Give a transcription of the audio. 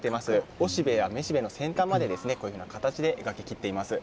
おしべやめしべの先端まで、こういうふうな形で描き切っています。